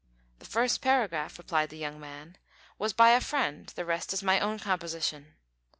"The first paragraph," replied the young man, "was by a friend; the rest is my own composition."